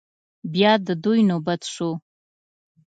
بيا د دوی نوبت شو.